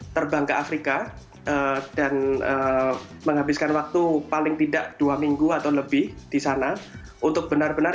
terbang ke afrika dan menghabiskan waktu paling tidak dua minggu atau lebih di sana untuk benar benar